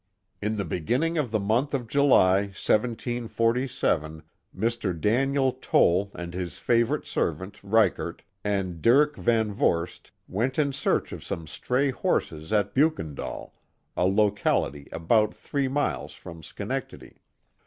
In the beginning of the month of. July, 1747, Mr. Daniel Toll and his favorite servant, Ryckert, and Diick Van Vorst went in search of some stray horses at Beukendaal, a locality about three miles from Schenectady.